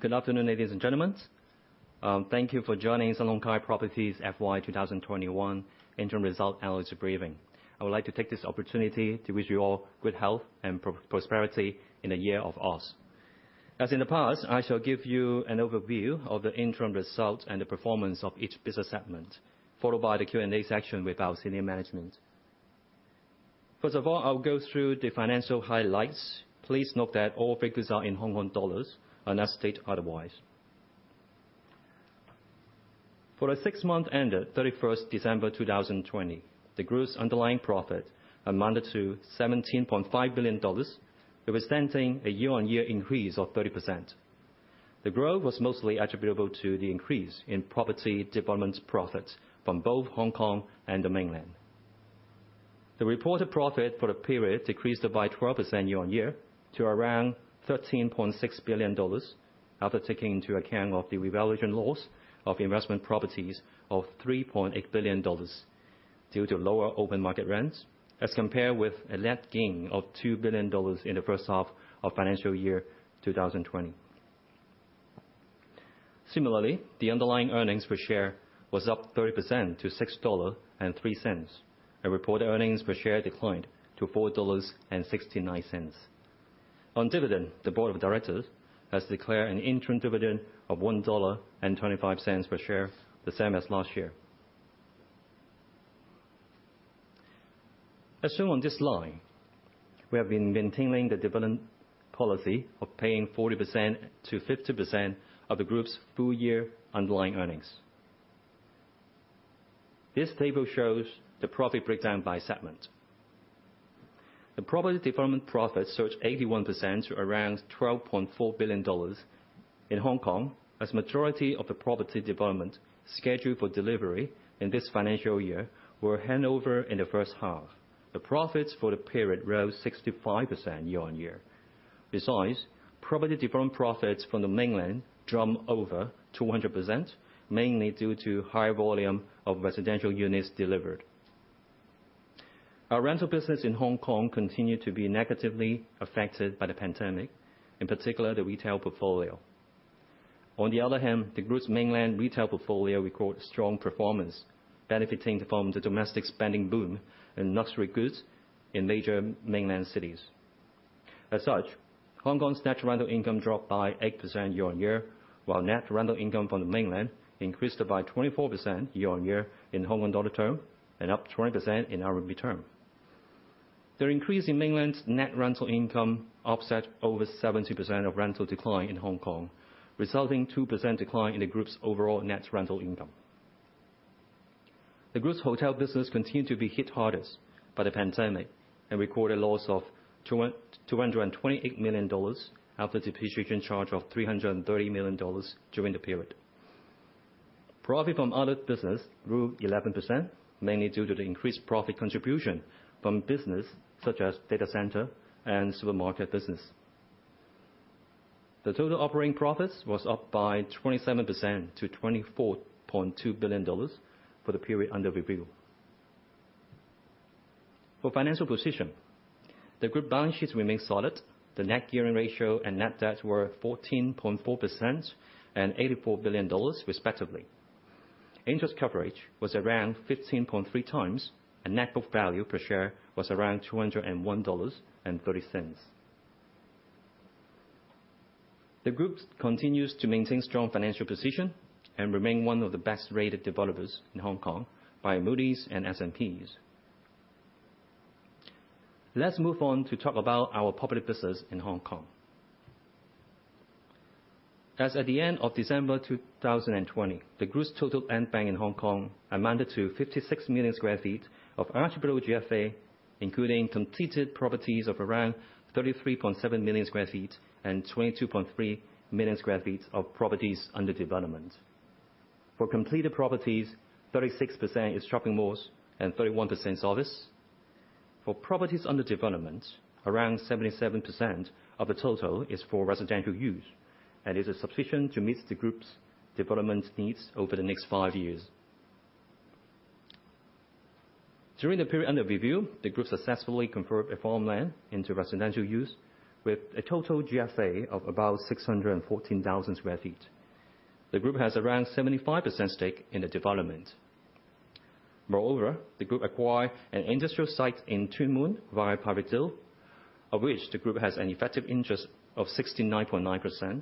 Good afternoon, ladies and gentlemen. Thank you for joining Sun Hung Kai Properties FY 2021 Interim Result Analyst Briefing. I would like to take this opportunity to wish you all good health and prosperity in the Year of Ox. As in the past, I shall give you an overview of the interim results and the performance of each business segment, followed by the Q&A section with our senior management. First of all, I will go through the financial highlights. Please note that all figures are in Hong Kong dollars unless stated otherwise. For the six months ended 31st December 2020, the group's underlying profit amounted to 17.5 billion dollars, representing a year-on-year increase of 30%. The growth was mostly attributable to the increase in property development profits from both Hong Kong and the Mainland. The reported profit for the period decreased by 12% year-on-year to around HKD 13.6 billion, after taking into account of the revaluation loss of investment properties of HKD 3.8 billion due to lower open market rents, as compared with a net gain of HKD 2 billion in the first half of financial year 2020. Similarly, the underlying earnings per share was up 30% to 6.03 dollar, and reported earnings per share declined to 4.69 dollars. On dividend, the board of directors has declared an interim dividend of 1.25 dollar per share, the same as last year. As shown on this slide, we have been maintaining the dividend policy of paying 40%-50% of the group's full year underlying earnings. This table shows the profit breakdown by segment. The property development profit surged 81% to around 12.4 billion dollars in Hong Kong, as majority of the property development scheduled for delivery in this financial year were handover in the first half. The profits for the period rose 65% year-on-year. Besides, property development profits from the Mainland jumped over 200%, mainly due to high volume of residential units delivered. Our rental business in Hong Kong continued to be negatively affected by the pandemic, in particular, the retail portfolio. On the other hand, the group's Mainland retail portfolio recorded strong performance, benefiting from the domestic spending boom in luxury goods in major Mainland cities. As such, Hong Kong's net rental income dropped by 8% year-on-year, while net rental income from the Mainland increased by 24% year-on-year in Hong Kong dollar term, and up 20% in RMB term. Their increase in Mainland's net rental income offset over 70% of rental decline in Hong Kong, resulting 2% decline in the group's overall net rental income. The group's hotel business continued to be hit hardest by the pandemic, and recorded a loss of 228 million dollars after depreciation charge of 330 million dollars during the period. Profit from other business grew 11%, mainly due to the increased profit contribution from business such as data center and supermarket business. The total operating profits was up by 27% to 24.2 billion dollars for the period under review. For financial position, the group balance sheets remain solid. The net gearing ratio and net debt were 14.4% and HKD 84 billion respectively. Interest coverage was around 15.3x, and net book value per share was around 201.30 dollars. The group continues to maintain strong financial position and remain one of the best-rated developers in Hong Kong by Moody's and S&P's. Let's move on to talk about our property business in Hong Kong. As at the end of December 2020, the group's total land bank in Hong Kong amounted to 56 million sq ft of attributable GFA, including completed properties of around 33.7 million sq ft and 22.3 million sq ft of properties under development. For completed properties, 36% is shopping malls and 31% is office. For properties under development, around 77% of the total is for residential use and is sufficient to meet the group's development needs over the next five years. During the period under review, the group successfully converted a farmland into residential use with a total GFA of about 614,000 sq ft. The group has around 75% stake in the development. The group acquired an industrial site in Tuen Mun via private deal, of which the group has an effective interest of 69.9%.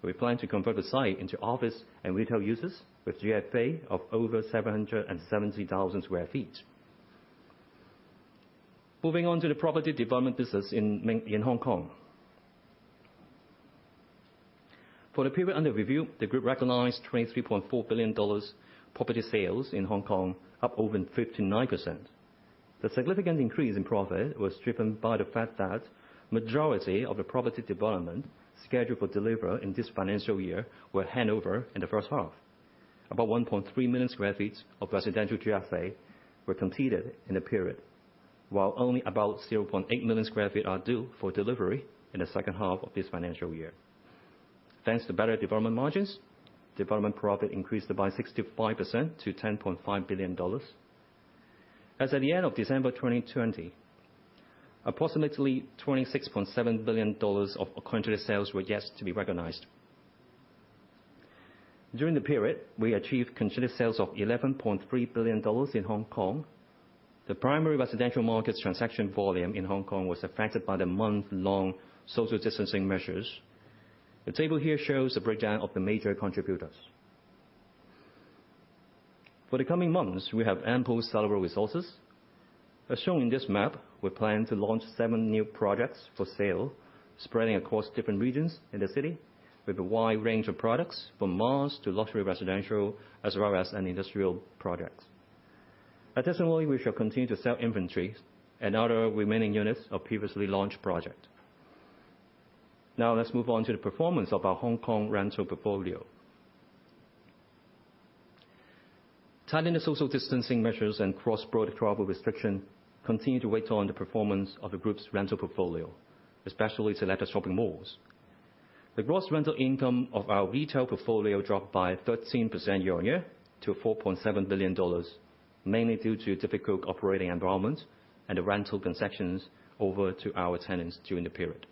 We plan to convert the site into office and retail uses with GFA of over 770,000 sq ft. Moving on to the property development business in Hong Kong. For the period under review, the group recognized 23.4 billion dollars property sales in Hong Kong, up over 59%. The significant increase in profit was driven by the fact that majority of the property development scheduled for delivery in this financial year were handover in the first half. About 1.3 million sq ft of residential GFA were completed in the period, while only about 0.8 million sq ft are due for delivery in the second half of this financial year. Thanks to better development margins, development profit increased by 65% to 10.5 billion dollars. As at the end of December 2020, approximately 26.7 billion dollars of contracted sales were yet to be recognized. During the period, we achieved contracted sales of 11.3 billion dollars in Hong Kong. The primary residential market transaction volume in Hong Kong was affected by the month-long social distancing measures. The table here shows a breakdown of the major contributors. For the coming months, we have ample sellable resources. As shown on this map, we plan to launch seven new projects for sale, spreading across different regions in the city, with a wide range of products from malls to luxury residential, as well as industrial projects. Additionally, we shall continue to sell inventory and other remaining units of previously launched project. Now let's move on to the performance of our Hong Kong rental portfolio. Tightening social distancing measures and cross-border travel restriction continue to weigh on the performance of the group's rental portfolio, especially selected shopping malls. The gross rental income of our retail portfolio dropped by 13% year-on-year to 4.7 billion dollars, mainly due to difficult operating environment and the rental concessions offered to our tenants during the period.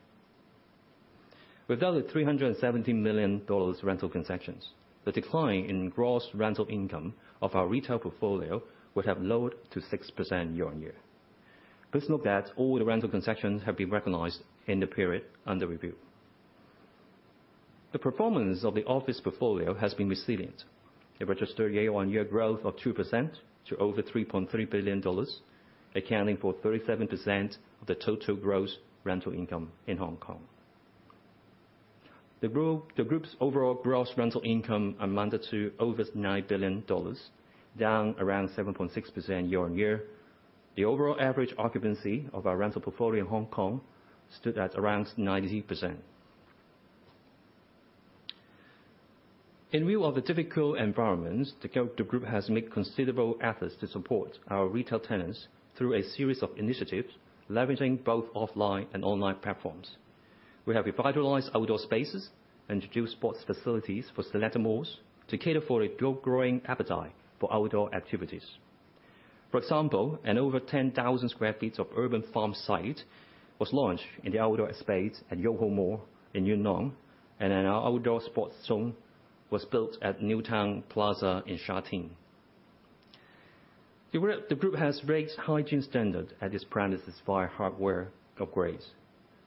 Without the 317 million dollars rental concessions, the decline in gross rental income of our retail portfolio would have lowered to 6% year-on-year. Please note that all the rental concessions have been recognized in the period under review. The performance of the office portfolio has been resilient. It registered a year-on-year growth of 2% to over 3.3 billion dollars, accounting for 37% of the total gross rental income in Hong Kong. The group's overall gross rental income amounted to over 9 billion dollars, down around 7.6% year-on-year. The overall average occupancy of our rental portfolio in Hong Kong stood at around 90%. In view of the difficult environment, the group has made considerable efforts to support our retail tenants through a series of initiatives, leveraging both offline and online platforms. We have revitalized outdoor spaces, introduced sports facilities for selected malls to cater for the growing appetite for outdoor activities. For example, an over 10,000 sq ft of urban farm site was launched in the outdoor space at YOHO Mall in Yuen Long, and an outdoor sports zone was built at New Town Plaza in Sha Tin. The group has raised hygiene standard at its premises via hardware upgrades,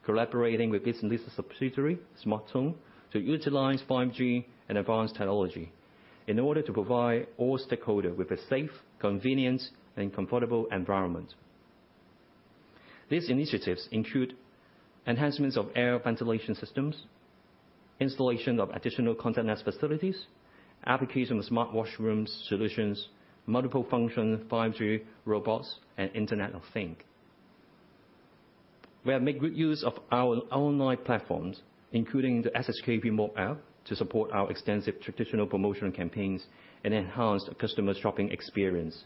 collaborating with its subsidiary, SmarTone, to utilize 5G and advanced technology in order to provide all stakeholder with a safe, convenient, and comfortable environment. These initiatives include enhancements of air ventilation systems, installation of additional contactless facilities, application of smart washrooms solutions, multiple function 5G robots, and Internet of Things. We have made good use of our online platforms, including the SHKP mobile app, to support our extensive traditional promotional campaigns and enhance customer shopping experience.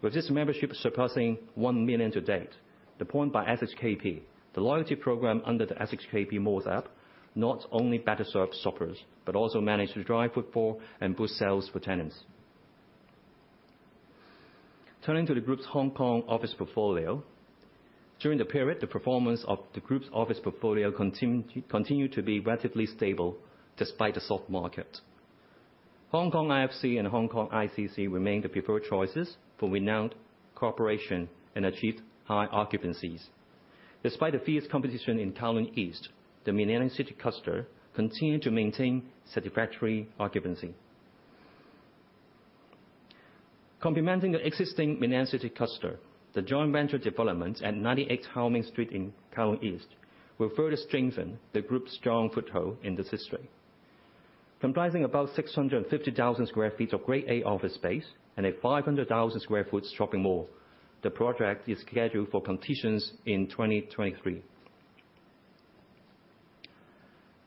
With this membership surpassing 1 million to date, deployed by SHKP, the loyalty program under the SHKP malls app, not only better serves shoppers, but also manage to drive footfall and boost sales for tenants. Turning to the group's Hong Kong office portfolio. During the period, the performance of the group's office portfolio continued to be relatively stable despite the soft market. Hong Kong IFC and Hong Kong ICC remained the preferred choices for renowned corporation and achieved high occupancies. Despite the fierce competition in Kowloon East, the Millennium City cluster continued to maintain satisfactory occupancy. Complementing the existing Millennium City cluster, the joint venture development at 98 How Ming Street in Kowloon East will further strengthen the group's strong foothold in this district. Comprising about 650,000 sq ft of Grade-A office space and a 500,000 sq ft shopping mall, the project is scheduled for completion in 2023.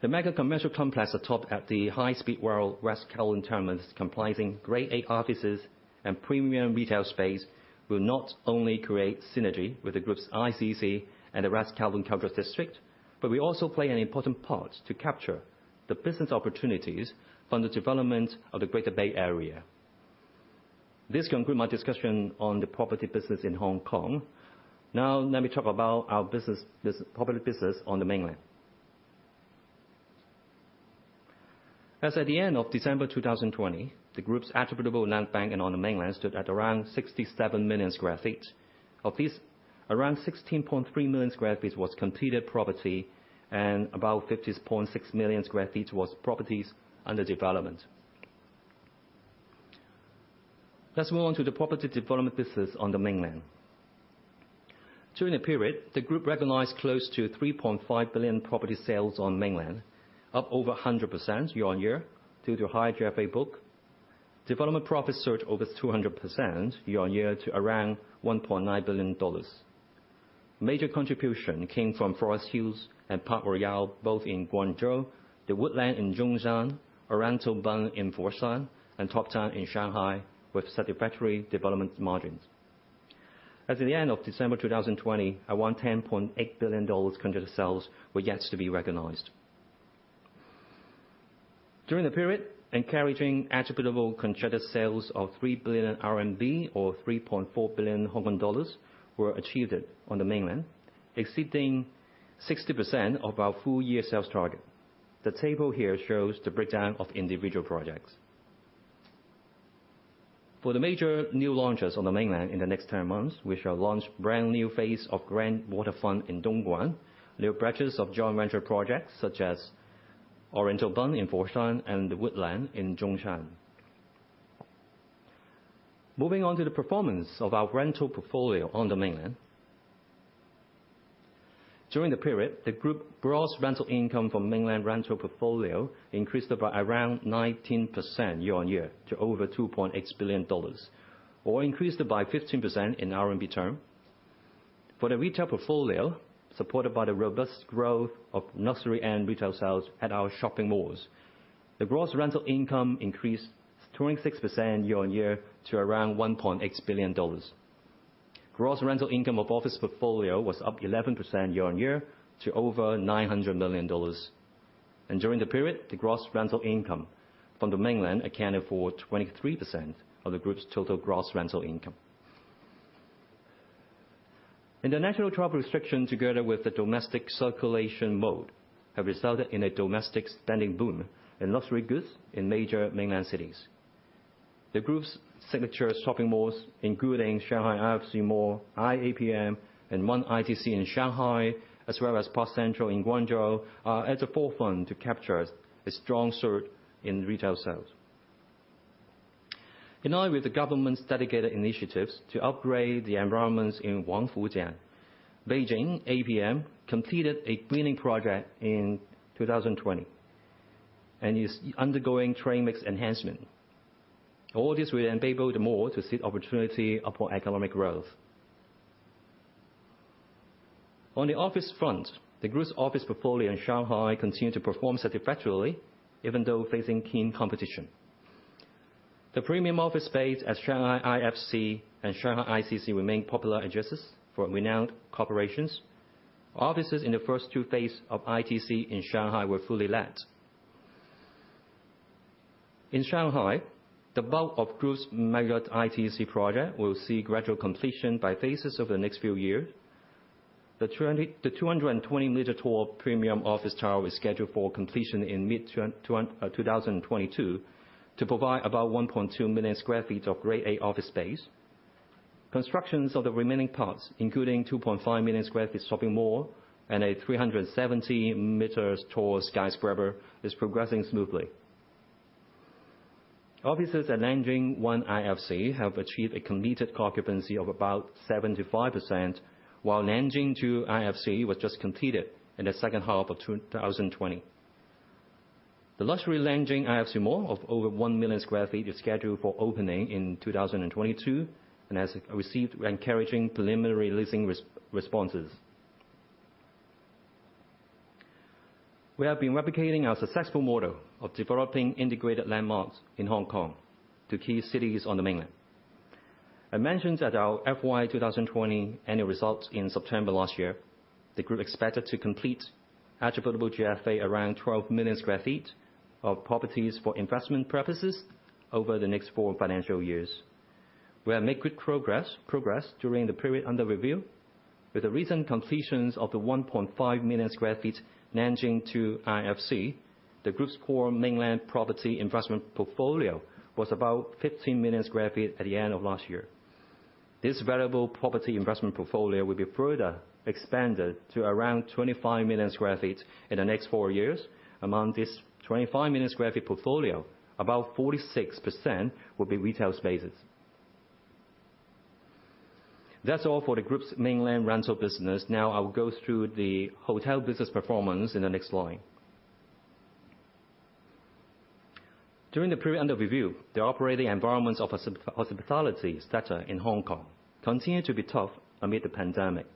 The mega commercial complex atop at the high-speed rail West Kowloon terminus comprising Grade-A offices and premium retail space will not only create synergy with the group's ICC and the West Kowloon Cultural District, but will also play an important part to capture the business opportunities from the development of the Greater Bay Area. This concludes my discussion on the property business in Hong Kong. Now let me talk about our property business on the Mainland. As at the end of December 2020, the group's attributable land banking on the Mainland stood at around 67 million sq ft. Of this, around 16.3 million sq ft was completed property and about 50.6 million sq ft was properties under development. Let's move on to the property development business on the Mainland. During the period, the group recognized close to 3.5 billion property sales on Mainland, up over 100% year-on-year due to higher GFA booked. Development profit surged over 200% year-on-year to around 1.9 billion dollars. Major contribution came from Forest Hills and Park Royale, both in Guangzhou, The Woodland in Zhongshan, Oriental Bund in Foshan, and TODTOWN in Shanghai with satisfactory development margins. As at the end of December 2020, around 10.8 billion dollars contracted sales were yet to be recognized. During the period, encouraging attributable contracted sales of 3 billion RMB or 3.4 billion Hong Kong dollars were achieved on the Mainland, exceeding 60% of our full year sales target. The table here shows the breakdown of individual projects. For the major new launches on the Mainland in the next 10 months, we shall launch brand new phase of Grand Waterfront in Dongguan, new branches of joint venture projects such as Oriental Bund in Foshan and The Woodland in Zhongshan. Moving on to the performance of our rental portfolio on the Mainland. During the period, the Group gross rental income from Mainland rental portfolio increased by around 19% year-on-year to over 2.8 billion dollars, or increased by 15% in RMB term. For the retail portfolio, supported by the robust growth of luxury and retail sales at our shopping malls, the gross rental income increased 26% year-on-year to around 1.8 billion dollars. Gross rental income of office portfolio was up 18% year-on-year to over 900 million dollars. And during the period, the gross rental income from the Mainland accounted for 23% of the group's total gross rental income. International travel restrictions, together with the domestic circulation mode, have resulted in a domestic spending boom in luxury goods in major Mainland cities. The group's signature shopping malls, including Shanghai IFC Mall, iapm, and One ITC in Shanghai, as well as Park Central in Guangzhou, are at the forefront to capture a strong surge in retail sales. In line with the government's dedicated initiatives to upgrade the environments in Wangfujing, Beijing apm completed a greening project in 2020 and is undergoing trade mix enhancement. All this will enable the mall to seek opportunity upon economic growth. On the office front, the group's office portfolio in Shanghai continue to perform satisfactorily, even though facing keen competition. The premium office space at Shanghai IFC and Shanghai ICC remain popular addresses for renowned corporations. Offices in the first two phases of ITC in Shanghai were fully let. In Shanghai, the bulk of group's mega ITC project will see gradual completion by phases over the next few years. The 220-meter tall premium office tower is scheduled for completion in mid-2022 to provide about 1.2 million sq ft of Grade-A office space. Constructions of the remaining parts, including 2.5 million sq ft shopping mall and a 370-meter tall skyscraper, is progressing smoothly. Offices at Nanjing One IFC have achieved a committed occupancy of about 75%, while Nanjing Two IFC was just completed in the second half of 2020. The luxury Nanjing IFC Mall of over 1 million sq ft is scheduled for opening in 2022 and has received encouraging preliminary leasing responses. We have been replicating our successful model of developing integrated landmarks in Hong Kong to key cities on the Mainland. I mentioned at our FY 2020 annual results in September last year, the group expected to complete attributable GFA around 12 million sq ft of properties for investment purposes over the next four financial years. We have made good progress during the period under review, with the recent completions of the 1.5 million sq ft Nanjing Two IFC. The group's core Mainland property investment portfolio was about 15 million sq ft at the end of last year. This valuable property investment portfolio will be further expanded to around 25 million sq ft in the next four years. Among this 25 million sq ft portfolio, about 46% will be retail spaces. That's all for the group's Mainland rental business. Now I will go through the hotel business performance in the next slide. During the period under review, the operating environment of hospitality sector in Hong Kong continued to be tough amid the pandemic.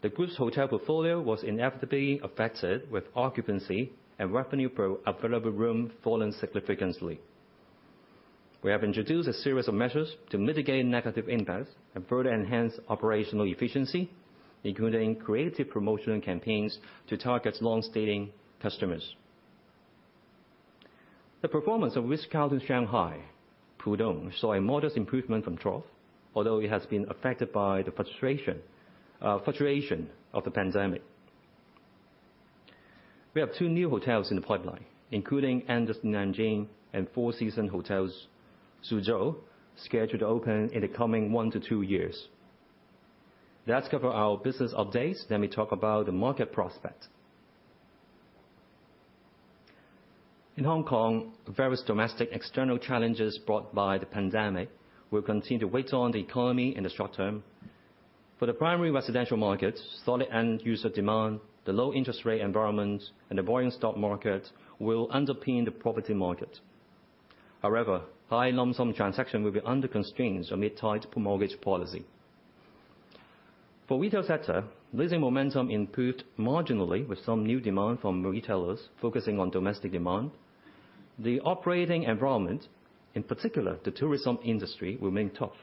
The group's hotel portfolio was inevitably affected, with occupancy and revenue per available room falling significantly. We have introduced a series of measures to mitigate negative impacts and further enhance operational efficiency, including creative promotion campaigns to target long-staying customers. The performance of Ritz-Carlton Shanghai, Pudong, saw a modest improvement from trough, although it has been affected by the fluctuation of the pandemic. We have two new hotels in the pipeline, including Andaz Nanjing and Four Seasons Hotel Suzhou, scheduled to open in the coming one to two years. That cover our business updates. Let me talk about the market prospect. In Hong Kong, various domestic external challenges brought by the pandemic will continue to weigh on the economy in the short term. For the primary residential markets, solid end user demand, the low interest rate environment, and the buoyant stock market will underpin the property market. However, high lump sum transaction will be under constraints amid tight mortgage policy. For retail sector, leasing momentum improved marginally with some new demand from retailers focusing on domestic demand. The operating environment, in particular, the tourism industry, remains tough.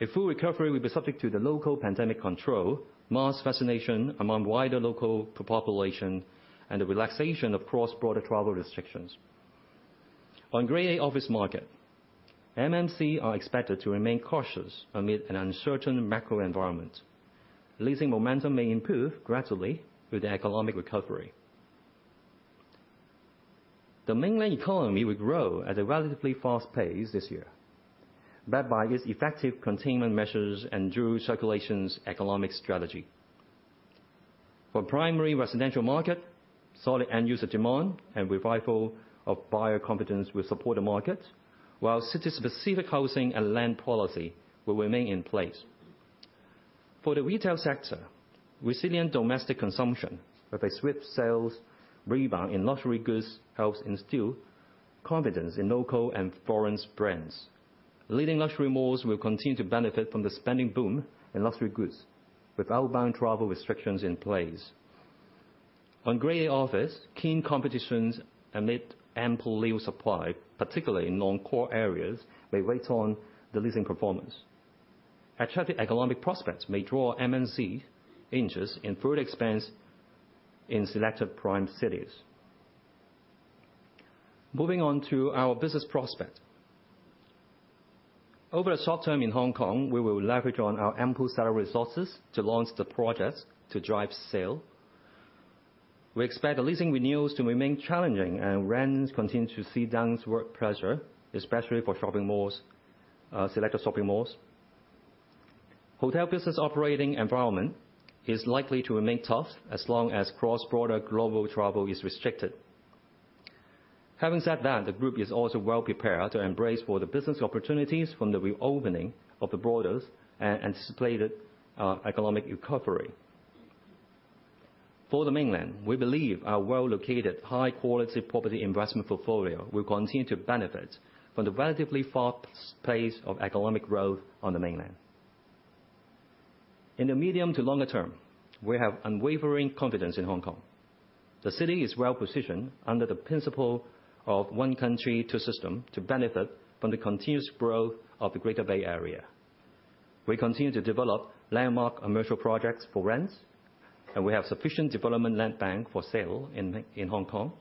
A full recovery will be subject to the local pandemic control, mass vaccination among wider local population, and the relaxation of cross-border travel restrictions. On Grade-A office market, MNC are expected to remain cautious amid an uncertain macro environment. Leasing momentum may improve gradually with the economic recovery. The Mainland economy will grow at a relatively fast pace this year, backed by its effective containment measures and dual circulation economic strategy. For primary residential market, solid end user demand and revival of buyer confidence will support the market, while specific housing and land policy will remain in place. For the retail sector, resilient domestic consumption, with a swift sales rebound in luxury goods, helps instill confidence in local and foreign brands. Leading luxury malls will continue to benefit from the spending boom in luxury goods, with outbound travel restrictions in place. On Grade-A office, keen competitions amid ample local supply, particularly in non-core areas, may weigh on the leasing performance. Attractive economic prospects may draw MNC interest in further expansion in selected prime cities. Moving on to our business prospect. Over the short term in Hong Kong, we will leverage on our ample sales resources to launch the projects to drive sale. We expect the leasing renewals to remain challenging and rents continue to see downward pressure, especially for shopping malls, selective shopping malls. Hotel business operating environment is likely to remain tough as long as cross-border global travel is restricted. Having said that, the group is also well prepared to embrace for the business opportunities from the reopening of the borders and anticipated economic recovery. For the Mainland, we believe our well-located, high-quality property investment portfolio will continue to benefit from the relatively fast pace of economic growth on the Mainland. In the medium to longer term, we have unwavering confidence in Hong Kong. The city is well positioned under the principle of one country, two systems to benefit from the continuous growth of the Greater Bay Area. We continue to develop landmark commercial projects for rents, and we have sufficient development land bank for sale in Hong Kong.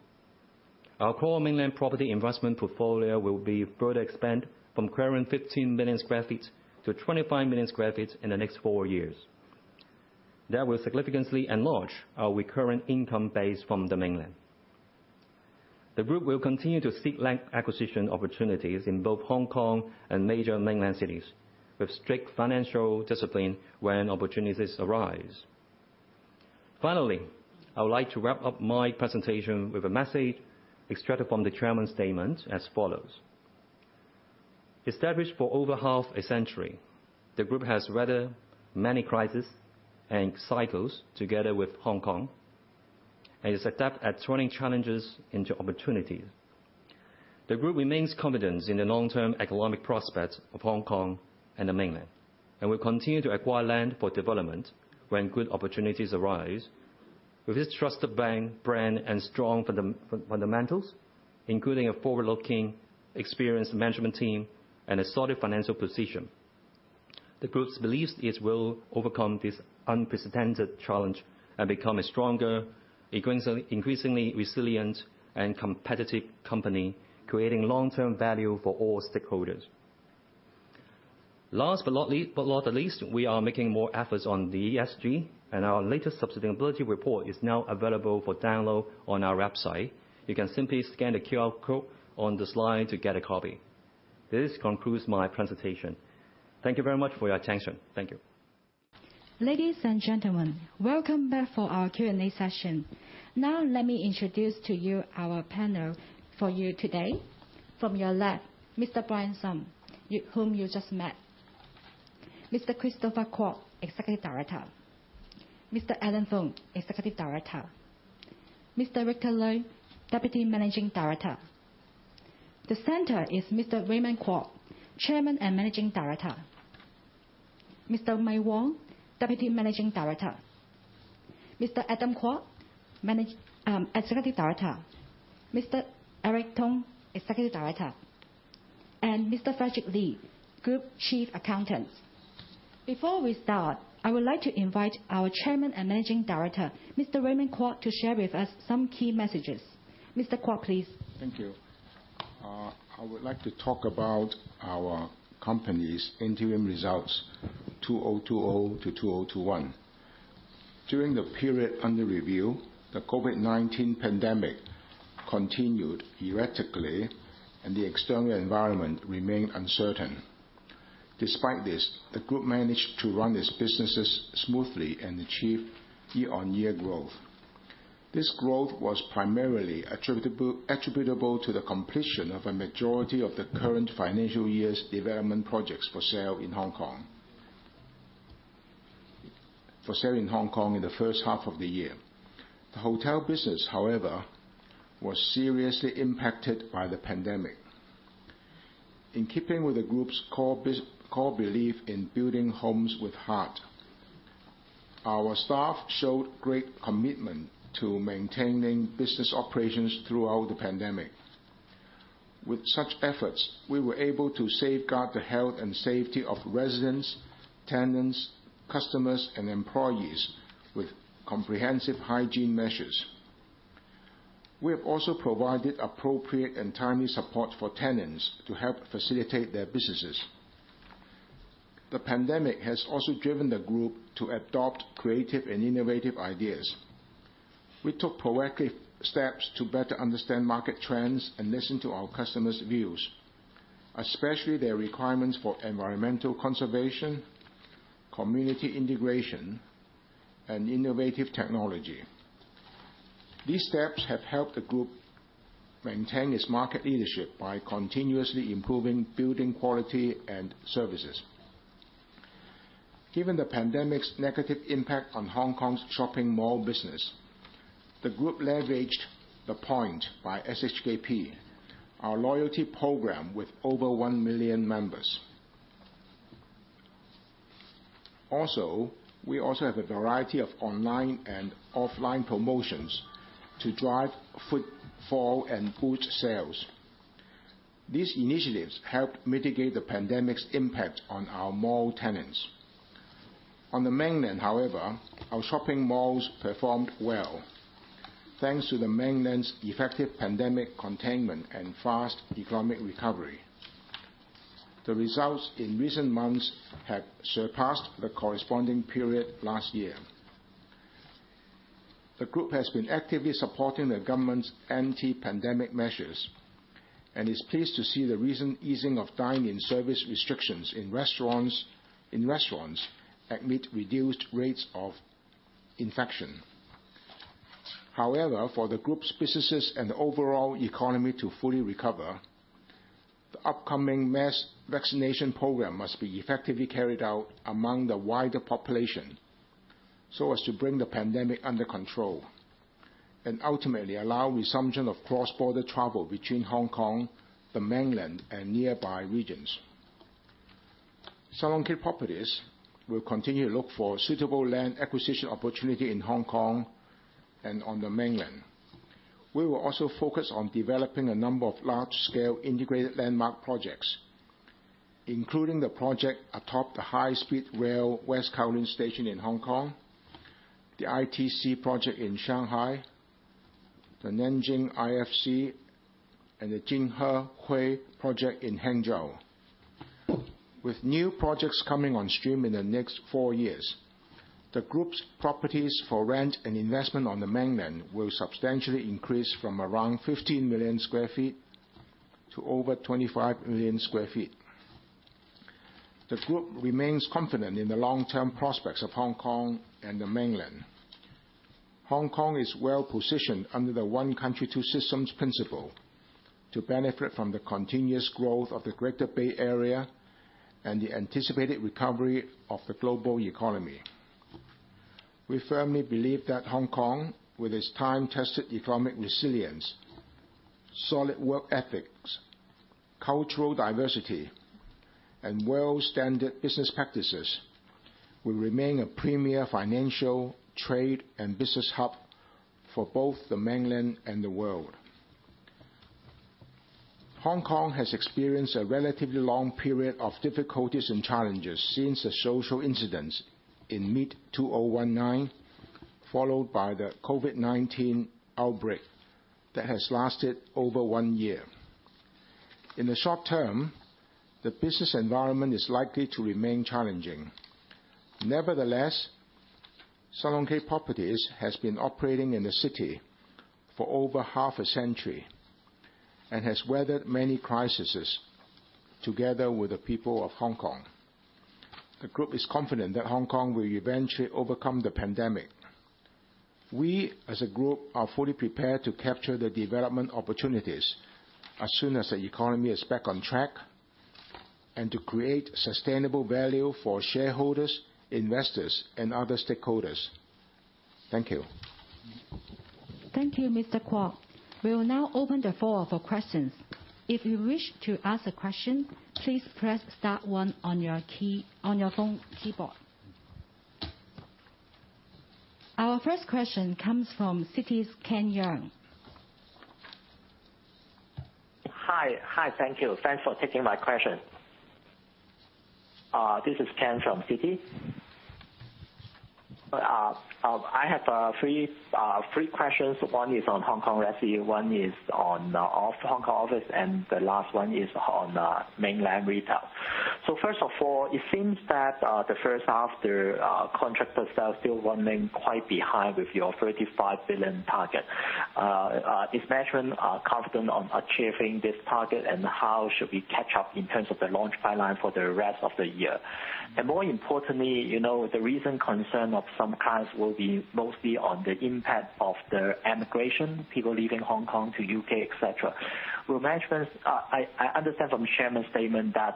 Our core Mainland property investment portfolio will be further expand from current 15 million sq ft to 25 million sq ft in the next four years. That will significantly enlarge our recurrent income base from the Mainland. The group will continue to seek land acquisition opportunities in both Hong Kong and major Mainland cities with strict financial discipline when opportunities arise. Finally, I would like to wrap up my presentation with a message extracted from the chairman statement as follows. Established for over half a century, the group has weathered many crises and cycles together with Hong Kong and is adept at turning challenges into opportunities. The group remains confident in the long-term economic prospects of Hong Kong and the Mainland and will continue to acquire land for development when good opportunities arise. With its trusted brand and strong fundamentals, including a forward-looking, experienced management team and a solid financial position, the group believes it will overcome this unprecedented challenge and become a stronger, increasingly resilient and competitive company, creating long-term value for all stakeholders. Last but not least, we are making more efforts on the ESG, and our latest sustainability report is now available for download on our website. You can simply scan the QR code on the slide to get a copy. This concludes my presentation. Thank you very much for your attention. Thank you. Ladies and gentlemen, welcome back for our Q&A session. Now, let me introduce to you our panel for you today. From your left, Mr. Brian Sum, whom you just met. Mr. Christopher Kwok, Executive Director. Mr. Allen Fung, Executive Director. Mr. Victor Lui, Deputy Managing Director. The center is Mr. Raymond Kwok, Chairman and Managing Director. Mr. Mike Wong, Deputy Managing Director. Mr. Adam Kwok, Executive Director. Mr. Eric Tung, Executive Director. And Mr. Frederick Lee, Group Chief Accountant. Before we start, I would like to invite our Chairman and Managing Director, Mr. Raymond Kwok, to share with us some key messages. Mr. Kwok, please. Thank you. I would like to talk about our company's interim results, 2020 to 2021. During the period under review, the COVID-19 pandemic continued erratically and the external environment remained uncertain. Despite this, the group managed to run its businesses smoothly and achieve year-on-year growth. This growth was primarily attributable to the completion of a majority of the current financial year's development projects for sale in Hong Kong, for sale in Hong Kong in the first half of the year. The hotel business, however, was seriously impacted by the pandemic. In keeping with the group's core belief in building homes with heart. Our staff showed great commitment to maintaining business operations throughout the pandemic. With such efforts, we were able to safeguard the health and safety of residents, tenants, customers, and employees with comprehensive hygiene measures. We have also provided appropriate and timely support for tenants to help facilitate their businesses. The pandemic has also driven the group to adopt creative and innovative ideas. We took proactive steps to better understand market trends and listen to our customers' views, especially their requirements for environmental conservation, community integration, and innovative technology. These steps have helped the group maintain its market leadership by continuously improving building quality and services. Given the pandemic's negative impact on Hong Kong's shopping mall business, the group leveraged The Point by SHKP, our loyalty program with over 1 million members. Also, we also have a variety of online and offline promotions to drive footfall and boost sales. These initiatives helped mitigate the pandemic's impact on our mall tenants. On the Mainland, however, our shopping malls performed well, thanks to the Mainland's effective pandemic containment and fast economic recovery. The results in recent months have surpassed the corresponding period last year. The group has been actively supporting the government's anti-pandemic measures and is pleased to see the recent easing of dine-in service restrictions in restaurants amid reduced rates of infection. However, for the group's businesses and the overall economy to fully recover, the upcoming mass vaccination program must be effectively carried out among the wider population so as to bring the pandemic under control, and ultimately allow resumption of cross-border travel between Hong Kong, the Mainland, and nearby regions. Sun Hung Kai Properties will continue to look for suitable land acquisition opportunity in Hong Kong and on the Mainland. We will also focus on developing a number of large-scale integrated landmark projects, including the project atop the high-speed rail West Kowloon Station in Hong Kong, the ITC project in Shanghai, the Nanjing IFC, and the Jianghehui project in Hangzhou. With new projects coming on stream in the next four years, the group's properties for rent and investment on the Mainland will substantially increase from around 15 million sq ft to over 25 million sq ft. The group remains confident in the long-term prospects of Hong Kong and the Mainland. Hong Kong is well-positioned under the one country, two systems principle to benefit from the continuous growth of the Greater Bay Area and the anticipated recovery of the global economy. We firmly believe that Hong Kong, with its time-tested economic resilience, solid work ethics, cultural diversity, and world standard business practices will remain a premier financial, trade, and business hub for both the Mainland and the world. Hong Kong has experienced a relatively long period of difficulties and challenges since the social incidents in mid-2019, followed by the COVID-19 outbreak that has lasted over one year. In the short term, the business environment is likely to remain challenging. Nevertheless, Sun Hung Kai Properties has been operating in the city for over half a century and has weathered many crises together with the people of Hong Kong. The group is confident that Hong Kong will eventually overcome the pandemic. We, as a group, are fully prepared to capture the development opportunities as soon as the economy is back on track and to create sustainable value for shareholders, investors, and other stakeholders. Thank you. Thank you, Mr. Kwok. We will now open the floor for questions. If you wish to ask a question, please press star one on your key, phone keyboard. Our first question comes from Citi's Ken Yeung. Hi. Hi, thank you. Thanks for taking my question. This is Ken from Citi. I have three questions. One is on Hong Kong resi, one is on Hong Kong office, and the last one is on Mainland retail. First of all, it seems that the first half, the contracted sales still running quite behind with your 35 billion target. Is management confident on achieving this target, and how should we catch up in terms of the launch pipeline for the rest of the year? And more importantly, the recent concern of some clients will be mostly on the impact of the emigration, people leaving Hong Kong to U.K., et cetera. Well, management's, I understand from chairman's statement that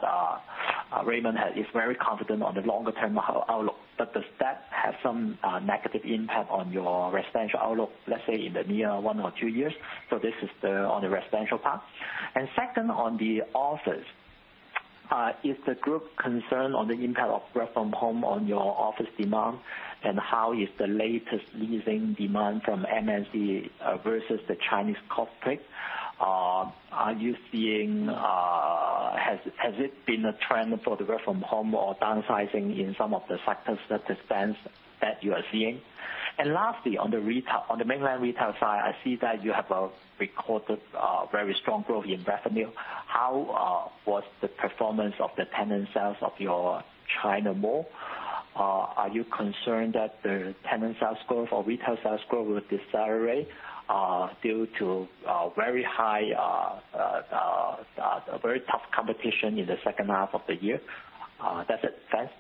Raymond is very confident on the longer-term outlook, but does that have some negative impact on your residential outlook, let's say in the near one or two years? This is on the residential part. And second on the office. Is the group concerned on the impact of work from home on your office demand? And how is the latest leasing demand from MNC versus the Chinese corporate? Has it been a trend for the work from home or downsizing in some of the sectors that you are seeing? And lastly, on the Mainland retail side, I see that you have recorded very strong growth in revenue. How was the performance of the tenant sales of your China mall? Are you concerned that the tenant sales growth or retail sales growth will decelerate due to very high, very tough competition in the second half of the year? That's it. Thanks.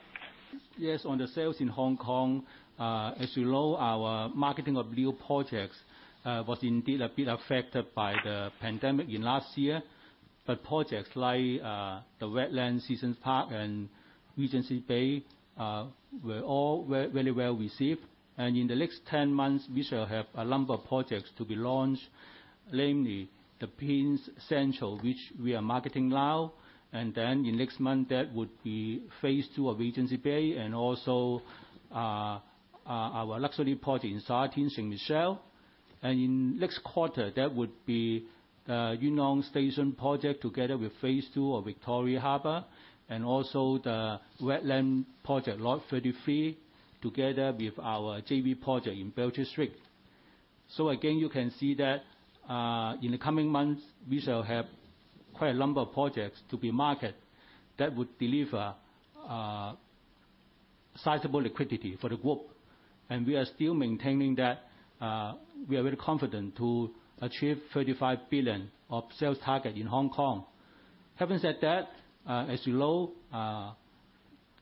Yes, on the sales in Hong Kong, as you know, our marketing of new projects was indeed a bit affected by the pandemic in last year. Projects like the Wetland Seasons Park and Regency Bay were all very well received. In the next 10 months, we shall have a number of projects to be launched, namely the Prince Central, which we are marketing now. And then in next month, that would be Phase 2 of Regency Bay and also our luxury project in Sha Tin, St. Michel. In next quarter, that would be Yuen Long station project together with Phase 2 of Victoria Harbour, and also the Wetland Project Lot No.33 Development, together with our JV project in Belcher's Street. Again, you can see that in the coming months we shall have quite a number of projects to be marketed that would deliver sizeable liquidity for the group. And we are still maintaining that we are very confident to achieve 35 billion of sales target in Hong Kong. Having said that, as you know,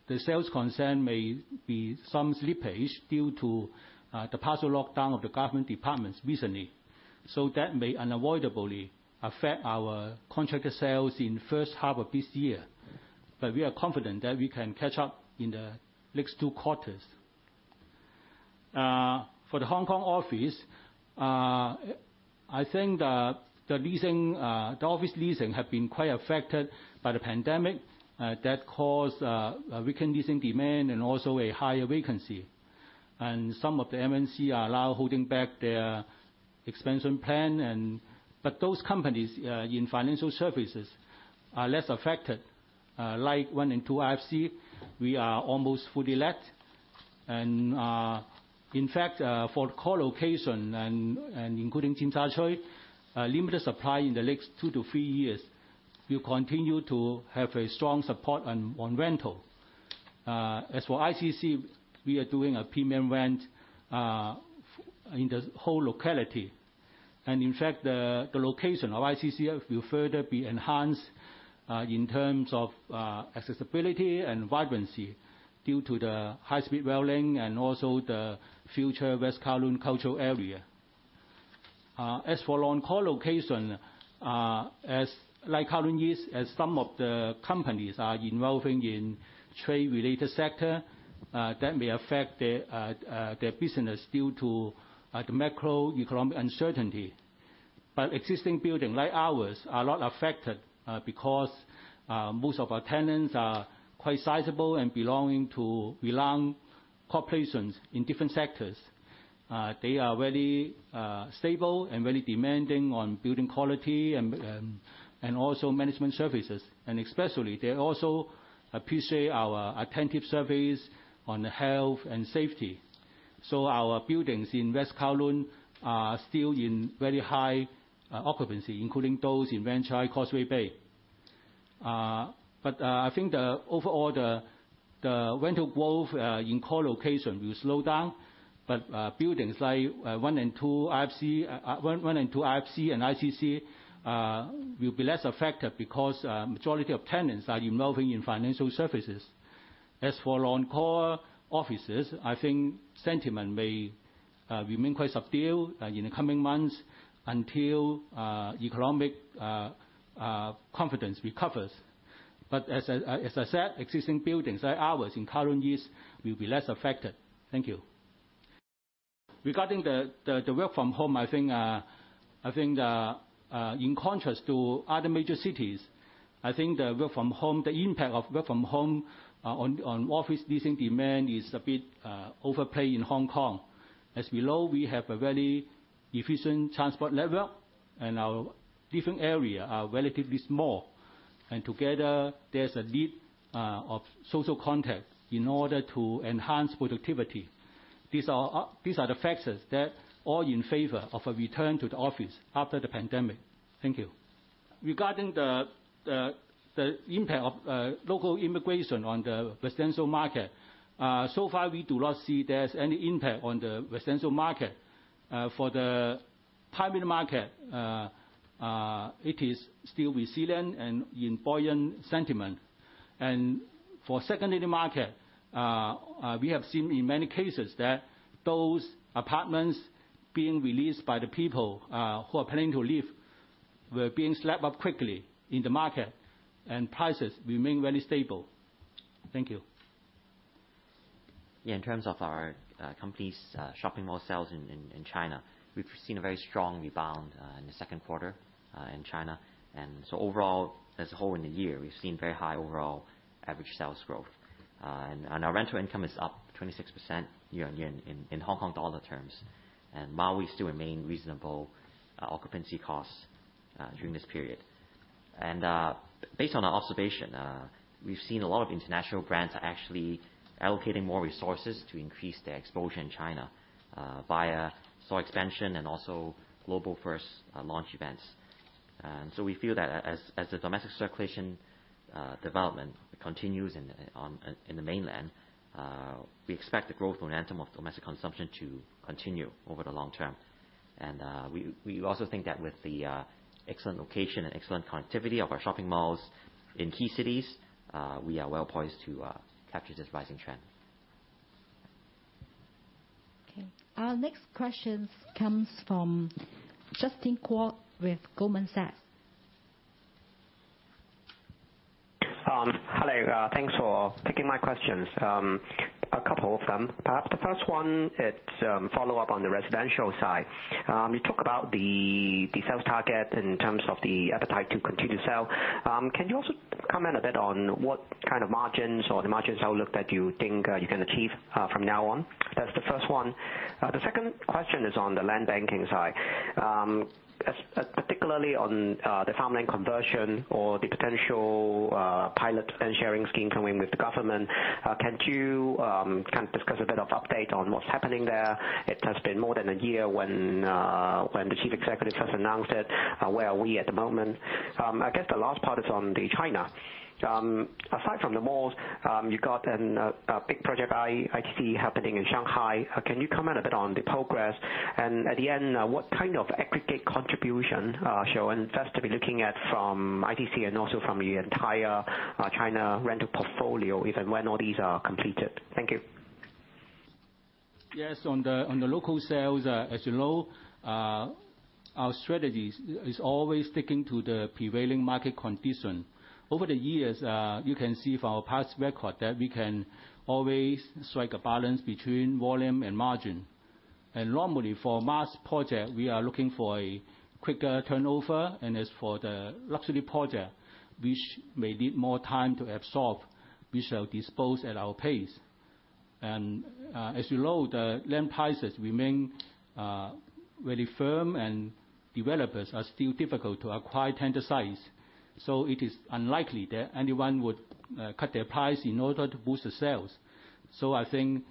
the sales concern may be some slippage due to the partial lockdown of the government departments recently. That may unavoidably affect our contracted sales in first half of this year. We are confident that we can catch up in the next two quarters. For the Hong Kong office, I think the office leasing have been quite affected by the pandemic. That caused a weakened leasing demand and also a higher vacancy. Some of the MNC are now holding back their expansion plan. But those companies in financial services are less affected. Like One and Two IFC, we are almost fully let. In fact, for core location and including Tsim Sha Tsui, limited supply in the next two to three years will continue to have a strong support on rental. For ICC, we are doing a premium rent in the whole locality. And in fact, the location of ICC will further be enhanced in terms of accessibility and vibrancy due to the high-speed rail link and also the future West Kowloon cultural area. As for non-core location, like Kowloon East as some of the companies are involving in trade-related sector, that may affect their business due to the macroeconomic uncertainty. Existing building, like ours, are not affected because most of our tenants are quite sizable and belonging to renowned corporations in different sectors. They are very stable and very demanding on building quality and also management services. And especially, they also appreciate our attentive service on health and safety. Our buildings in West Kowloon are still in very high occupancy, including those in Wan Chai, Causeway Bay. I think overall, the rental growth in core location will slow down. Buildings like One and Two IFC, One and Two IFC and ICC will be less affected because majority of tenants are involving in financial services. As for non-core offices, I think sentiment may remain quite subdued in the coming months until economic confidence recovers. As I said, existing buildings like ours in Kowloon East will be less affected. Thank you. Regarding the work from home, I think in contrast to other major cities, I think the impact of work from home on office leasing demand is a bit overplayed in Hong Kong. As we know, we have a very efficient transport network and our different area are relatively small. Together there's a need of social contact in order to enhance productivity. These are the factors that are all in favor of a return to the office after the pandemic. Thank you. Regarding the impact of local immigration on the residential market. So far, we do not see there's any impact on the residential market. For the primary market, it is still resilient and in buoyant sentiment. For secondary market, we have seen in many cases that those apartments being released by the people who are planning to leave were being snapped up quickly in the market, and prices remain very stable. Thank you. In terms of our company's shopping mall sales in China, we've seen a very strong rebound in the second quarter in China. Overall, as a whole in the year, we've seen very high overall average sales growth. Our rental income is up 26% year-on-year in Hong Kong dollar terms. While we still remain reasonable occupancy costs during this period. Based on our observation, we've seen a lot of international brands are actually allocating more resources to increase their exposure in China via store expansion and also global first launch events. We feel that as the domestic circulation development continues in the Mainland, we expect the growth momentum of domestic consumption to continue over the long term. We also think that with the excellent location and excellent connectivity of our shopping malls in key cities, we are well-poised to capture this rising trend. Okay. Our next question comes from Justin Kwok with Goldman Sachs. Hello. Thanks for taking my questions. A couple of them. The first one is follow up on the residential side. You talk about the sales target in terms of the appetite to continue sale. Can you also comment a bit on what kind of margins or the margins outlook that you think you can achieve from now on? That's the first one. The second question is on the land banking side. Particularly on the farmland conversion or the potential pilot and sharing scheme coming with the government. Can you kind of discuss a bit of update on what's happening there? It has been more than a year when the Chief Executive first announced it. Where are we at the moment? I guess the last part is on the China. Aside from the malls, you got a big project ITC happening in Shanghai. Can you comment a bit on the progress? At the end, what kind of aggregate contribution show and first to be looking at from ITC and also from the entire China rental portfolio, if and when all these are completed? Thank you. On the local sales, as you know, our strategy is always sticking to the prevailing market condition. Over the years, you can see from our past record that we can always strike a balance between volume and margin. And normally, for mass project, we are looking for a quicker turnover. And as for the luxury project, which may need more time to absorb, we shall dispose at our pace. As you know, the land prices remain very firm and developers are still difficult to acquire tender size. It is unlikely that anyone would cut their price in order to boost the sales. I think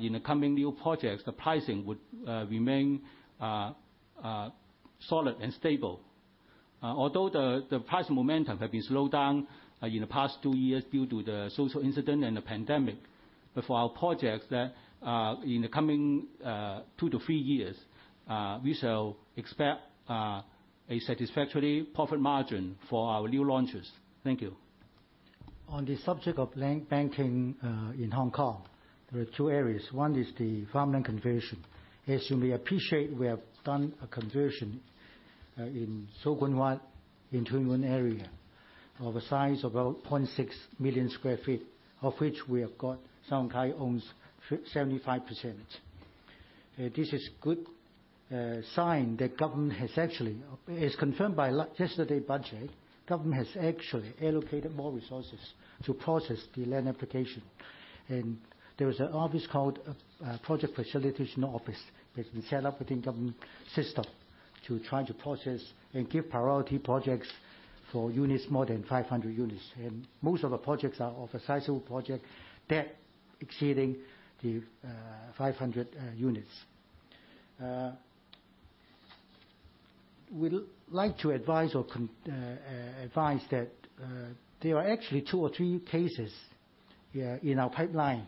in the coming new projects, the pricing would remain solid and stable. Although the price momentum have been slowed down in the past two years due to the social incident and the pandemic. For our projects that are in the coming two to three years, we shall expect a satisfactory profit margin for our new launches. Thank you. On the subject of land banking in Hong Kong, there are two areas. One is the farmland conversion. As you may appreciate, we have done a conversion in So Kwun Wat in Tuen Mun area of a size of about 0.6 million sq ft, of which Sun Hung Kai owns 75%. This is good sign that government has actually allocated more resources to process the land application. There is an office called Project Facilitation Office that's been set up within government system to try to process and give priority projects for units more than 500 units. Most of the projects are of a sizable project that exceeding the 500 units. We'd like to advise that there are actually two or three cases here in our pipeline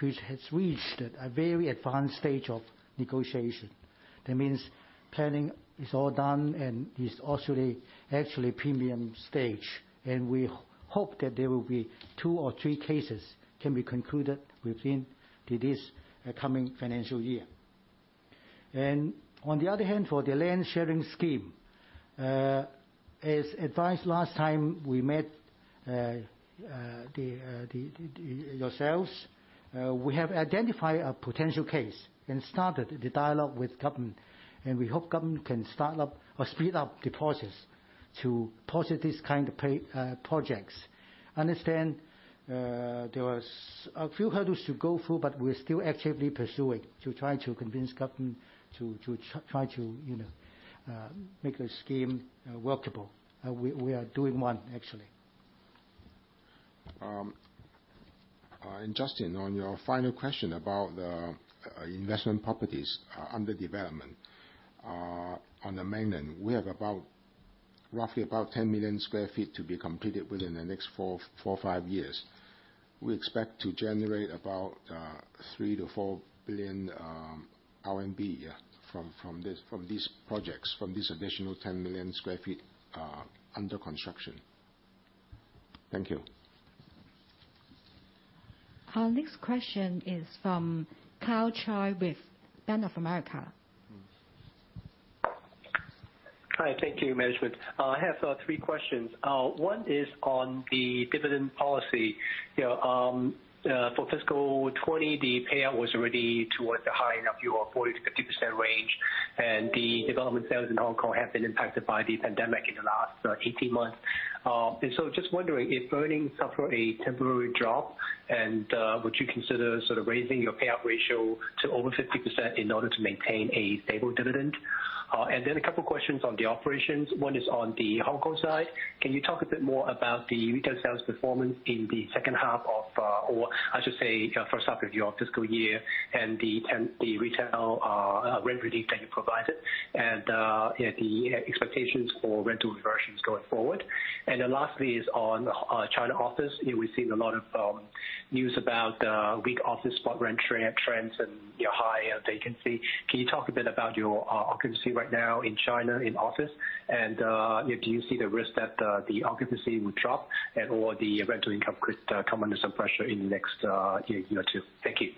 which has reached at a very advanced stage of negotiation. That means planning is all done and is actually premium stage. We hope that there will be two or three cases can be concluded within this coming financial year. And on the other hand, for the land sharing scheme, as advised last time we met yourselves, we have identified a potential case and started the dialogue with government, and we hope government can start up or speed up the process to process this kind of projects. We understand there was a few hurdles to go through, we're still actively pursuing to try to convince government to try to make the scheme workable. We are doing one, actually. Justin, on your final question about the investment properties under development. On the Mainland, we have roughly about 10 million sq ft to be completed within the next four, five years. We expect to generate about 3 billion-4 billion RMB from these projects, from this additional 10 million sq ft under construction. Thank you. Our next question is from Karl Choi with Bank of America. Hi, thank you management. I have three questions. One is on the dividend policy. For fiscal 2020, the payout was already towards the high end of your 40%-50% range, and the development sales in Hong Kong have been impacted by the pandemic in the last 18 months. Just wondering, if earnings suffer a temporary drop, would you consider raising your payout ratio to over 50% in order to maintain a stable dividend? A couple questions on the operations. One is on the Hong Kong side. Can you talk a bit more about the retail sales performance in the first half of your fiscal year, and the retail rent relief that you provided, and the expectations for rental reversions going forward. And lastly is on China office. We've seen a lot of news about weak office spot rent trends and high vacancy. Can you talk a bit about your occupancy right now in China in office, and do you see the risk that the occupancy would drop and/or the rental income could come under some pressure in the next year or two? Thank you.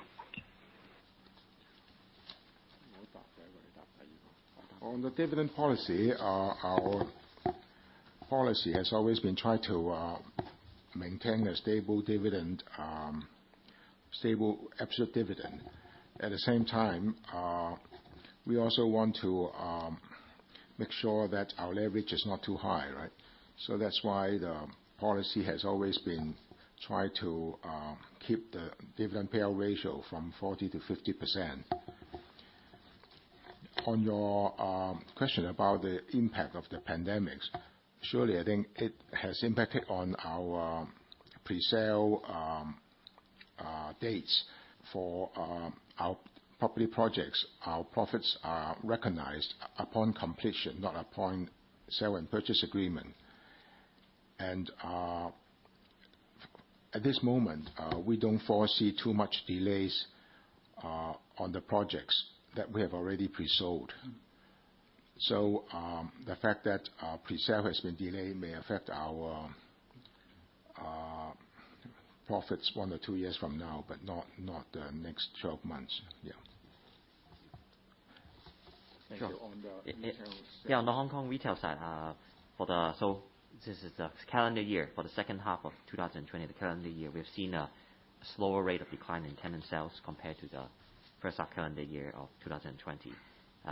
On the dividend policy, our policy has always been try to maintain a stable dividend, stable, absolute dividend. At the same time, we also want to make sure that our leverage is not too high. That's why the policy has always been try to keep the dividend payout ratio from 40%-50%. On your question about the impact of the pandemics, surely I think it has impacted on our presale dates for our property projects. Our profits are recognized upon completion, not upon sale and purchase agreement. At this moment, we don't foresee too much delays on the projects that we have already presold. The fact that our presale has been delayed may affect our profits one to two years from now, but not the next 12 months. Yeah. Thank you. On the retail side. On the Hong Kong retail side, this is the calendar year. For the second half of 2020, the calendar year, we have seen a slower rate of decline in tenant sales compared to the first half calendar year of 2020.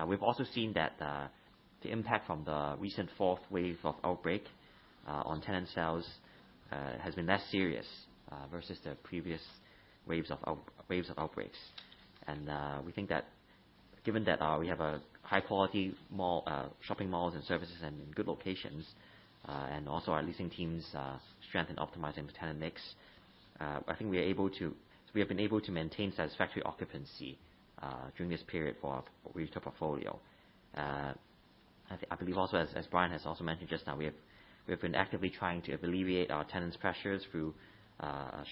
We've also seen that the impact from the recent fourth wave of outbreak on tenant sales has been less serious versus the previous waves of outbreaks. We think that given that we have a high-quality shopping malls and services and good locations, and also our leasing teams strengthen optimizing the tenant mix, I think we have been able to maintain satisfactory occupancy during this period for our retail portfolio. I believe also, as Brian has also mentioned just now, we have been actively trying to alleviate our tenants' pressures through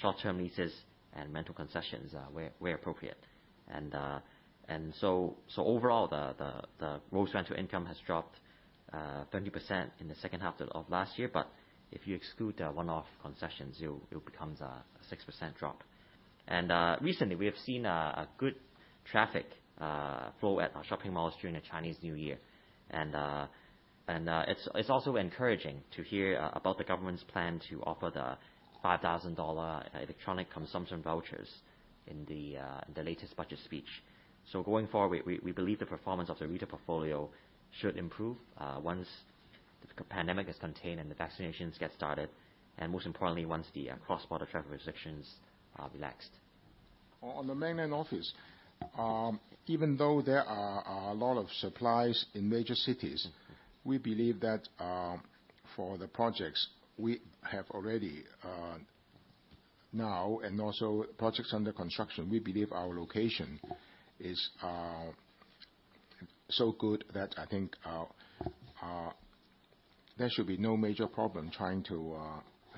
short-term leases and rental concessions where appropriate. Overall, the gross rental income has dropped 20% in the second half of last year, but if you exclude the one-off concessions, it becomes a 6% drop. Recently, we have seen a good traffic flow at our shopping malls during the Chinese New Year. And it's also encouraging to hear about the government's plan to offer the 5,000 dollar electronic consumption vouchers in the latest budget speech. Going forward, we believe the performance of the retail portfolio should improve once the pandemic is contained and the vaccinations get started, and most importantly, once the cross-border travel restrictions are relaxed. On the Mainland office, even though there are a lot of supplies in major cities, we believe that for the projects we have already now, and also projects under construction, we believe our location is so good that I think there should be no major problem trying to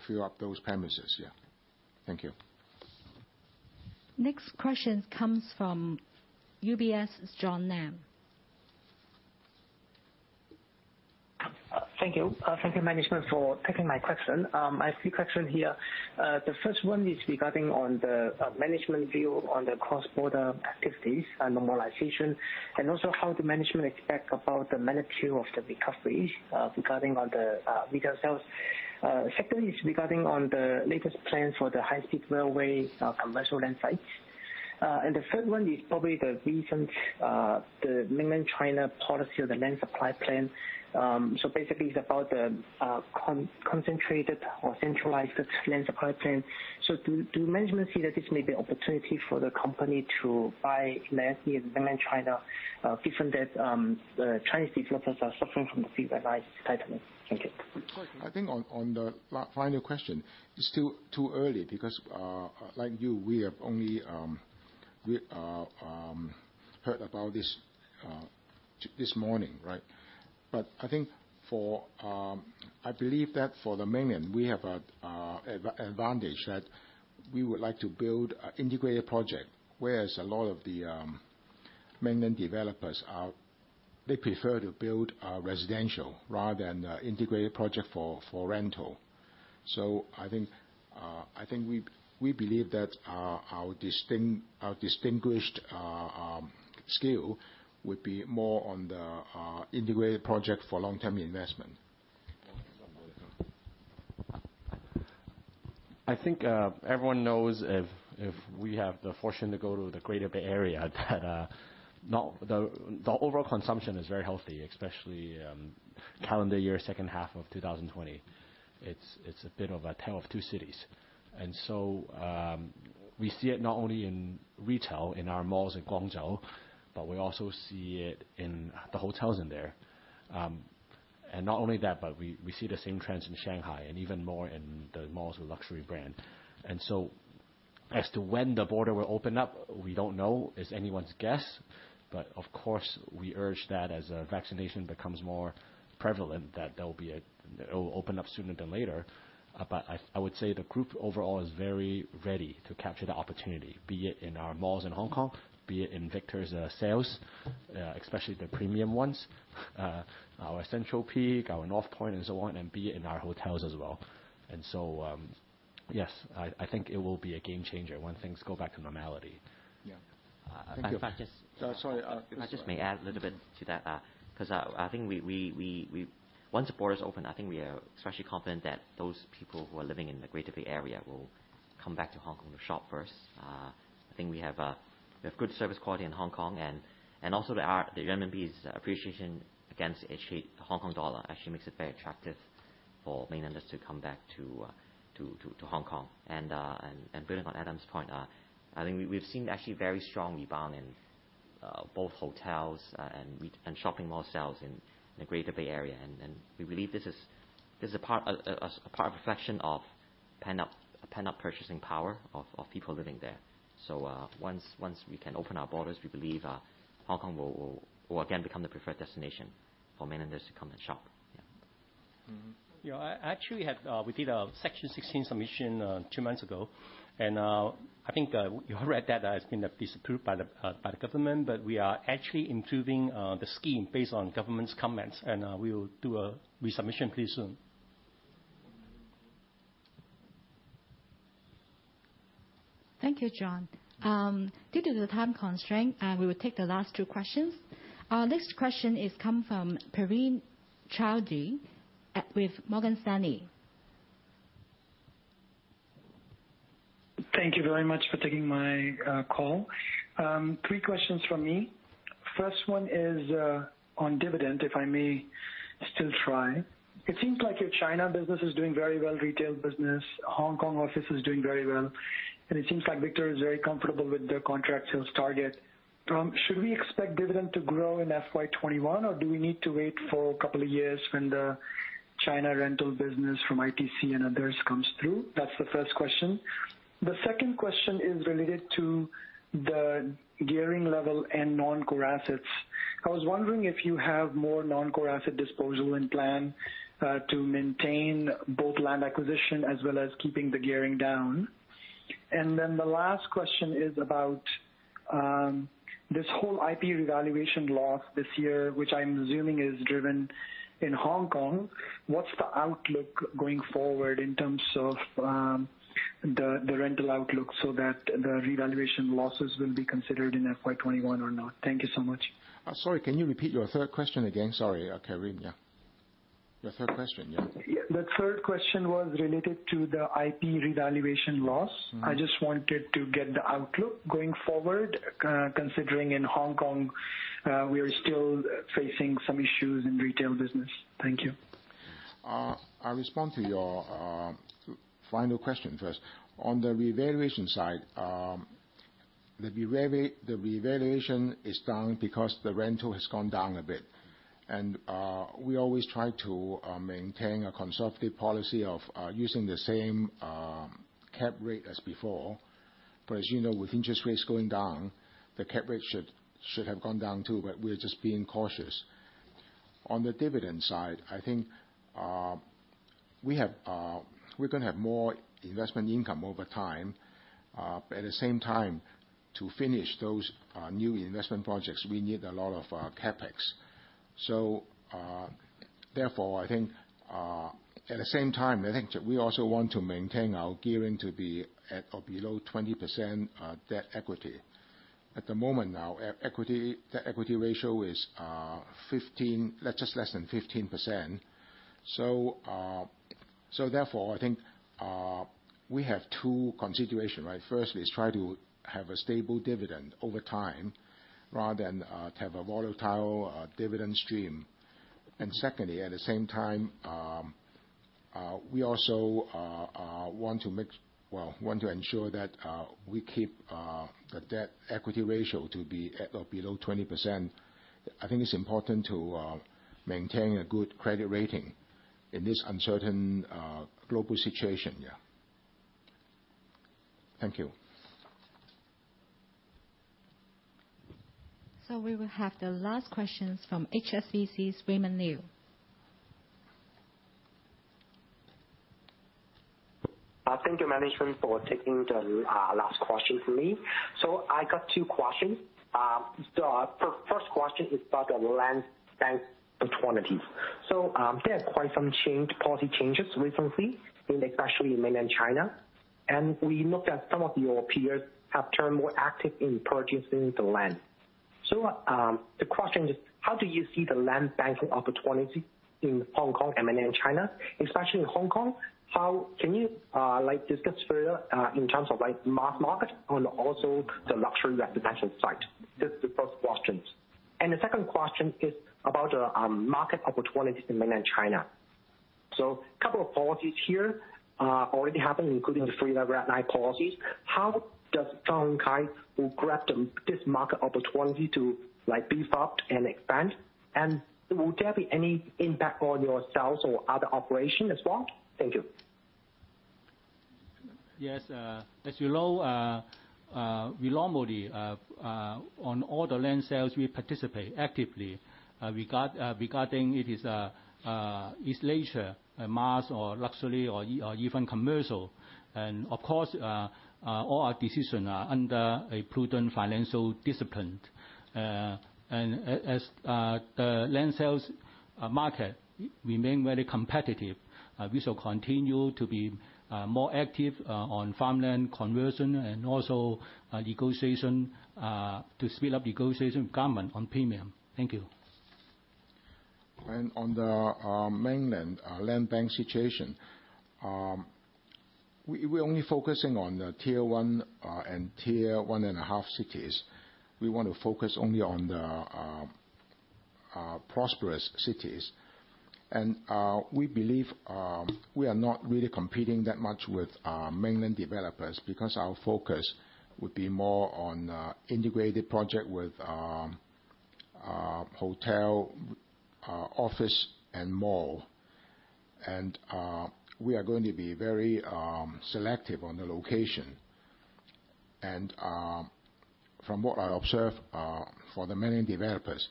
fill up those premises. Yeah. Thank you. Next question comes from UBS's John Lam. Thank you. Thank you management for taking my question. I have three question here. The first one is regarding on the management view on the cross-border activities and normalization, and also how the management expect about the magnitude of the recovery regarding on the retail sales. Second is regarding on the latest plans for the high-speed railway commercial land sites. And the third one is probably the recent Mainland China policy on the land supply plan. Basically, it's about the concentrated or centralized land supply plan. Do management see that this may be opportunity for the company to buy land in Mainland China given that the Chinese developers are suffering from the Three Red Lines tightening? Thank you. I think on the final question, it's still too early because, like you, we have only heard about this this morning, right? But I think for, I believe that for the Mainland, we have an advantage that we would like to build an integrated project, whereas a lot of the Mainland developers, they prefer to build residential rather than integrated project for rental. I think we believe that our distinguished skill would be more on the integrated project for long-term investment. I think everyone knows if we have the fortune to go to the Greater Bay Area, that the overall consumption is very healthy, especially calendar year second half of 2020. It's a bit of a tale of two cities. We see it not only in retail, in our malls in Guangzhou, but we also see it in the hotels in there. And not only that, but we see the same trends in Shanghai and even more in the malls with luxury brand. As to when the border will open up, we don't know. It's anyone's guess. Of course, we urge that as vaccination becomes more prevalent, that it'll open up sooner than later. I would say the group overall is very ready to capture the opportunity, be it in our malls in Hong Kong, be it in Victor's sales, especially the premium ones, our Central Peak, our North Point and so on, and be it in our hotels as well. Yes, I think it will be a game changer when things go back to normality. Yeah. Thank you. If I just- Sorry- If I just may add a little bit to that, I think we, once the borders open, I think we are especially confident that those people who are living in the Greater Bay Area will come back to Hong Kong to shop first. I think we have good service quality in Hong Kong. And also the Renminbi appreciation against Hong Kong dollar actually makes it very attractive for Mainlanders to come back to Hong Kong. Building on Adam's point, I think we've seen actually very strong rebound in both hotels and shopping mall sales in the Greater Bay Area. We believe this is a part of reflection of pent-up purchasing power of people living there. Once we can open our borders, we believe Hong Kong will again become the preferred destination for Mainlanders to come and shop. Yeah. Yeah, actually we did a Section 16 submission two months ago, and I think you read that it's been disapproved by the government, but we are actually improving the scheme based on government's comments, and we will do a resubmission pretty soon. Thank you, John. Due to the time constraint, we will take the last two questions. Our next question comes from Praveen Choudhary with Morgan Stanley. Thank you very much for taking my call. Three questions from me. First one is on dividend, if I may still try. It seems like your China business is doing very well, retail business, Hong Kong office is doing very well. It seems like Victor is very comfortable with the contract sales target. Should we expect dividend to grow in FY 2021, or do we need to wait for a couple of years when the China rental business from ITC and others comes through? That's the first question. The second question is related to the gearing level and non-core assets. I was wondering if you have more non-core asset disposal in plan to maintain both land acquisition as well as keeping the gearing down. And then the last question is about this whole IP revaluation loss this year, which I'm assuming is driven in Hong Kong. What's the outlook going forward in terms of the rental outlook so that the revaluation losses will be considered in FY 2021 or not? Thank you so much. Sorry, can you repeat your third question again? Sorry, Praveen. Yeah. Your third question, yeah. The third question was related to the IP revaluation loss. I just wanted to get the outlook going forward, considering in Hong Kong, we are still facing some issues in retail business. Thank you. I'll respond to your final question first. On the revaluation side, the revaluation is down because the rental has gone down a bit. We always try to maintain a conservative policy of using the same cap rate as before. As you know, with interest rates going down, the cap rate should have gone down, too. We're just being cautious. On the dividend side, I think we're going to have more investment income over time. At the same time, to finish those new investment projects, we need a lot of CapEx. Therefore, I think, at the same time, I think, we also want to maintain our gearing to be at or below 20% debt equity. At the moment now, debt equity, debt equity ratio is just less than 15%. So, therefore, I think we have two considerations, right? Firstly, we try to have a stable dividend over time rather than to have a volatile dividend stream. And secondly, at the same time, we also want to ensure that we keep the debt equity ratio to be at or below 20%. I think it's important to maintain a good credit rating in this uncertain global situation. Yeah. Thank you. We will have the last questions from HSBC's Raymond Liu. Thank you, management, for taking the last question from me. I got two questions. The first question is about the land bank opportunities. There's quite some policy changes recently in especially Mainland China. And we looked at some of your peers have turned more active in purchasing the land. The question is, how do you see the land banking opportunity in Hong Kong and Mainland China, especially in Hong Kong? Can you discuss further, in terms of mass market and also the luxury residential side? This is the first question. And the second question is about the market opportunities in Mainland China. Couple of policies here are already happening, including the Three Red Lines policies. How does Sun Hung Kai grab this market opportunity to like beef up and expand, and will there be any impact on your sales or other operations as well? Thank you. Yes. As you know, we normally, on all the land sales, we participate actively. Regarding it is leisure, mass or luxury or even commercial. Of course, all our decisions are under a prudent financial discipline. As the land sales market remain very competitive, we shall continue to be more active on farmland conversion and also to speed up negotiation with government on premium. Thank you. On the Mainland land bank situation, we're only focusing on the Tier-1, and Tier-1.5 cities. We want to focus only on the prosperous cities. We believe, we are not really competing that much with Mainland developers because our focus would be more on integrated project with hotel, office, and mall. We are going to be very selective on the location. From what I observe, for the Mainland developers,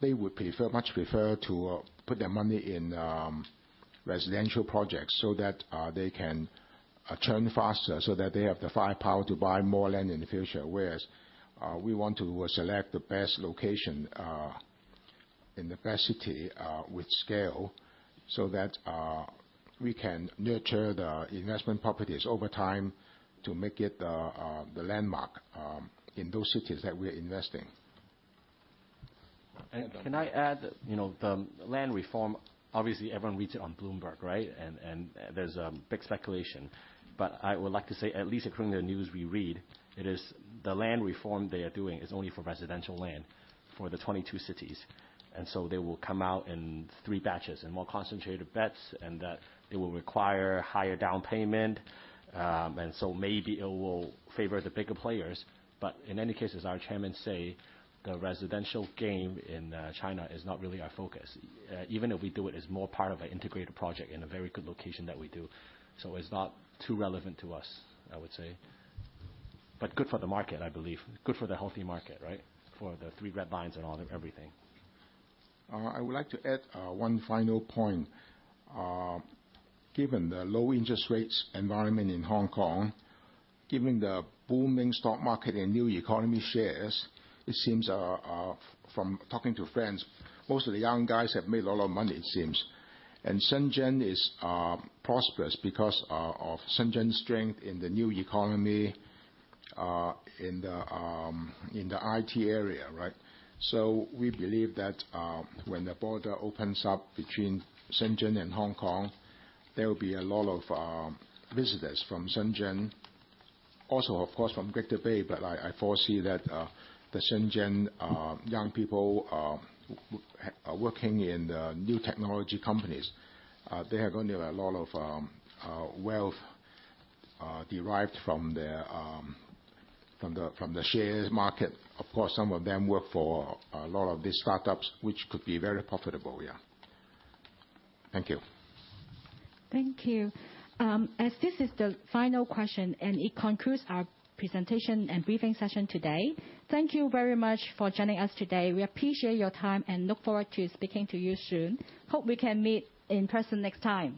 they would much prefer to put their money in residential projects so that they can turn faster, so that they have the firepower to buy more land in the future. Whereas, we want to select the best location in the best city, with scale, so that we can nurture the investment properties over time to make it the landmark in those cities that we're investing. Can I add, the land reform, obviously, everyone reads it on Bloomberg, right? There's big speculation. I would like to say, at least according to the news we read, the land reform they are doing is only for residential land for the 22 cities. They will come out in three batches and more concentrated bets, and that it will require higher down payment. Maybe it will favor the bigger players. But in any case, as our Chairman say, the residential game in China is not really our focus. Even if we do it as more part of an integrated project in a very good location that we do. It's not too relevant to us, I would say. Good for the market, I believe. Good for the healthy market, right? For the Three Red Lines and everything. I would like to add one final point. Given the low interest rates environment in Hong Kong, given the booming stock market and new economy shares, it seems, from talking to friends, most of the young guys have made a lot of money, it seems. Shenzhen is prosperous because of Shenzhen's strength in the new economy, in the IT area, right? We believe that when the border opens up between Shenzhen and Hong Kong, there will be a lot of visitors from Shenzhen. Also, of course, from Greater Bay, but I foresee that the Shenzhen young people are working in the new technology companies. They are going to have a lot of wealth derived from the shares market. Of course, some of them work for a lot of these startups, which could be very profitable, yeah. Thank you. Thank you. As this is the final question, and it concludes our presentation and briefing session today. Thank you very much for joining us today. We appreciate your time and look forward to speaking to you soon. Hope we can meet in person next time.